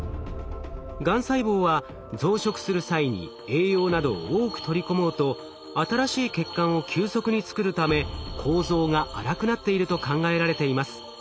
がん細胞は増殖する際に栄養などを多く取り込もうと新しい血管を急速に作るため構造が粗くなっていると考えられています。